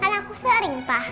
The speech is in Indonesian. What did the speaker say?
karena aku sering pa